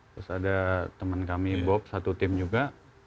terus ada teman kami bob satu tim juga